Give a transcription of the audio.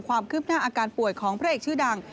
ความคืบหน้าอาการป่วยของพระเอกชื่อดัง